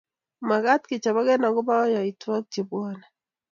Magaat kechoboge agoba yaotwogik chebwone